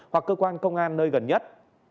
hoặc cơ quan công an nơi gần nhất